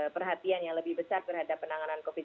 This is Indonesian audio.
perhatian yang lebih besar terhadap penanganan covid sembilan belas